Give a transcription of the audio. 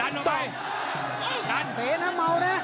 ดันได้ทำไมดันดันโอ้โหเสน่ะเมานะ